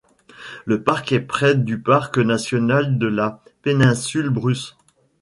Le parc est près du parc national de la Péninsule-Bruce.